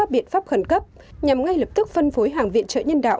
biện pháp khẩn cấp nhằm ngay lập tức phân phối hàng viện trợ nhân đạo